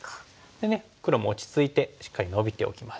でね黒も落ち着いてしっかりノビておきます。